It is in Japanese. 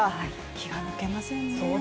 気が抜けませんね。